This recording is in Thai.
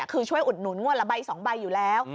คือช่วยอุดหนุนงวดละใบ๒ใบอยู่แล้ว